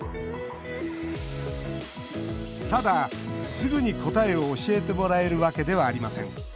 ただ、すぐに答えを教えてもらえるわけではありません。